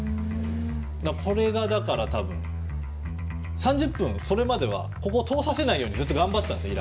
これが、多分３０分、それまでは通させないようにずっと頑張ってたんですよ